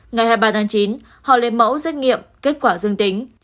ngày hai mươi ba tháng chín họ lấy mẫu xét nghiệm kết quả dương tính